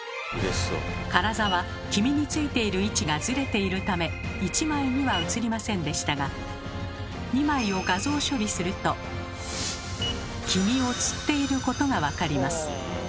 カラザは黄身についている位置がずれているため１枚には写りませんでしたが黄身をつっていることがわかります。